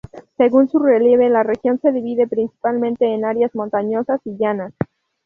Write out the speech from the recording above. Según su relieve la región se divide principalmente en áreas montañosas y llanas.